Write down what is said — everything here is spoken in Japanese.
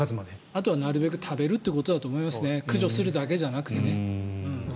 あとはなるべく食べるということだと思いますね駆除するだけじゃなくてね。